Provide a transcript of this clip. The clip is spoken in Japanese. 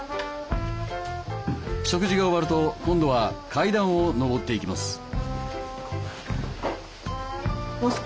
食事が終わると今度は階段を上っていきます。